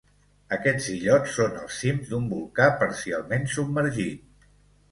Aquests illots són els cims d'un volcà parcialment submergit.